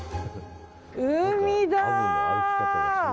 海だ！